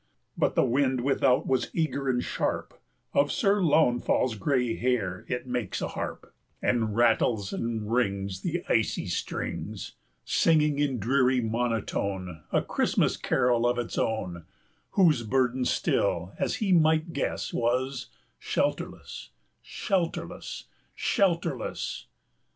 But the wind without was eager and sharp, 225 Of Sir Launfal's gray hair it makes a harp, And rattles and wrings The icy strings, Singing, in dreary monotone, A Christmas carol of its own, 230 Whose burden still, as he might guess, Was "Shelterless, shelterless, shelterless!"